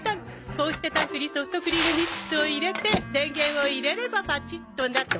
こうしてタンクにソフトクリームミックスを入れて電源を入れればパチッとなと。